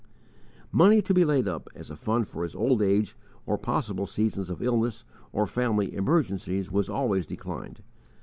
Money to be laid up as a fund for his old age or possible seasons of illness or family emergencies was always declined.